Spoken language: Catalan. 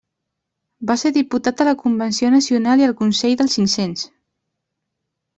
Va ser diputat a la Convenció Nacional i al Consell dels Cinc-Cents.